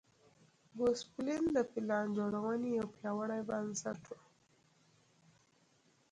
ګوسپلن د پلان جوړونې یو پیاوړی بنسټ و.